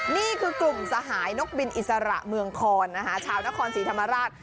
นี่คือกลุ่มสหายนกบินอิสระเมืองคอนนะคะชาวนครศรีธรรมราช